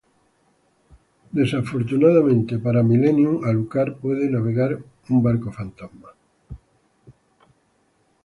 Desafortunadamente para Millennium, Alucard puede navegar un barco fantasma.